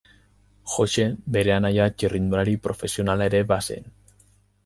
Joxe bere anaia txirrindulari profesionala ere bazen.